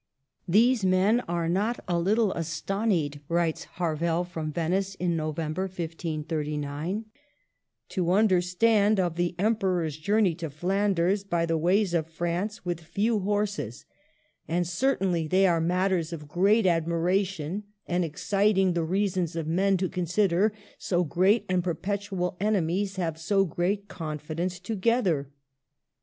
*' These men are not a litil astonied," writes Harvel from Venice in November, 1539, "to tmdirstonde of the Emperoure's journey to Flanders by the wais of France, with few horsis. 12 178 MARGARET OF ANGOUL^ME. And certeinly they are matters of grete admira cion and exciding the reasons of men to con sider, so grete and perpetual enemies have so grete confidence together."